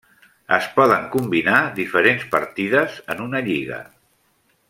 Es poden combinar diferents partides en una lliga.